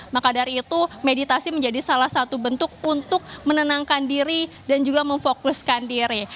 maka dari itu meditasi menjadi salah satu bentuk untuk menenangkan diri dan juga memfokuskan diri